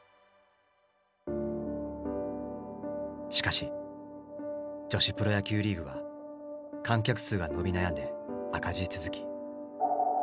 しかし女子プロ野球リーグは観客数が伸び悩んで赤字続き。